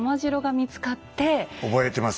覚えてます。